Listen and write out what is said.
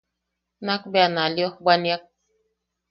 Nakbea na liojbwaniak.